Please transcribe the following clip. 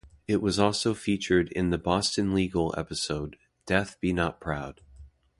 It was also featured in the "Boston Legal" episode "Death Be Not Proud".